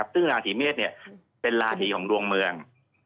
ซึ่งราศีเมษเป็นราศีของดวงเมือง